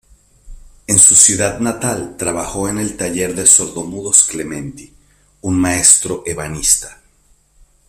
En su ciudad natal, trabajó en el taller del sordo-mudos Clementi, un maestro ebanista.